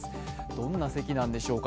どんな席なんでしょうか。